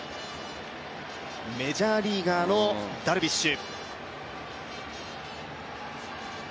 メジャーリーガーのダルビッシュ。